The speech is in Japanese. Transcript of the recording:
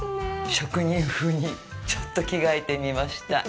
職人風にちょっと着替えてみました。